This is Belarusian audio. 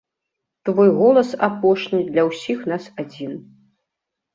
Твой голас апошні для ўсіх нас адзін.